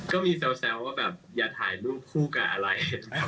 ก็มีแซวว่าแบบอย่าถ่ายรูปคู่กับอะไร